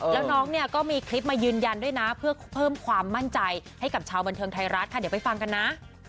แล้วน้องเนี่ยก็มีคลิปมายืนยันด้วยนะเพื่อเพิ่มความมั่นใจให้กับชาวบันเทิงไทยรัฐค่ะเดี๋ยวไปฟังกันนะ